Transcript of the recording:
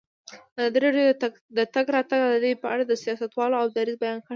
ازادي راډیو د د تګ راتګ ازادي په اړه د سیاستوالو دریځ بیان کړی.